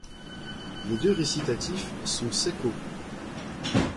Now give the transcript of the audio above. Les deux récitatifs sont secco.